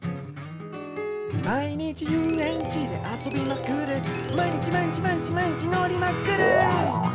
「毎日ゆうえんちであそびまくる！」「毎日毎日毎日毎日！のりまくる！」